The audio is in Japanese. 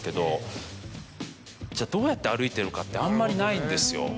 じゃどうやって歩いてるかってあんまりないんですよ。